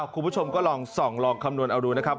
คุณผู้ชมก็ลองส่องลองคำนวณเอาดูนะครับ